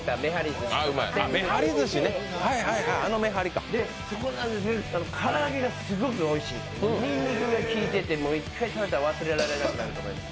ずしとかそこの唐揚げがすごくおいしいにんにくがすごいきいてて、１回食べたら忘れられなくなると思います。